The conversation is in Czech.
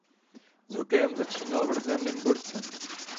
S hokejem začínal v rodném Nymburce.